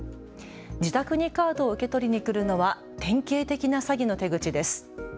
自宅にカードを受け取りに来るのは典型的な詐欺の手口です。